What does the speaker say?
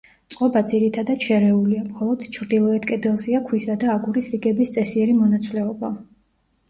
წყობა ძირითადად შერეულია, მხოლოდ ჩრდილოეთ კედელზეა ქვისა და აგურის რიგების წესიერი მონაცვლეობა.